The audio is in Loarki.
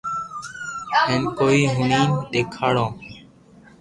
ھين ڪوئي ھئين ديکاڙو